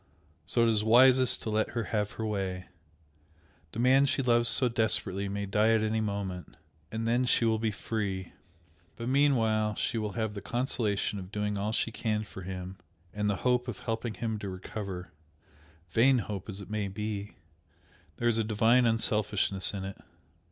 So it is wisest to let her have her way. The man she loves so desperately may die at any moment, and then she will be free. But meanwhile she will have the consolation of doing all she can for him, and the hope of helping him to recover; vain hope as it may be, there is a divine unselfishness in it.